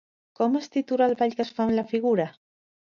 Com es titula el ball que es fa amb la figura?